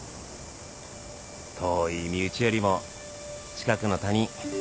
遠い身内よりも近くの他人。